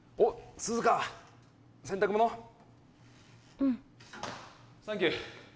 うんサンキュー